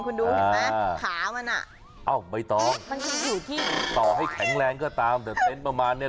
เห็นไหมขามันอ้าวไม่ต้องต่อให้แข็งแรงก็ตามแต่เต้นประมาณนี้